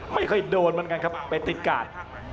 ไม่ค่อยโดนเหมือนกันครับไปติดกาด